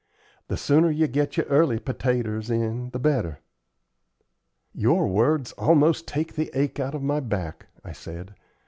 The sooner you get your early pertaters in the better." "Your words almost take the ache out of my back," I said.